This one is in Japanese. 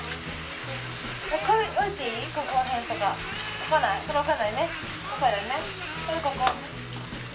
これここ？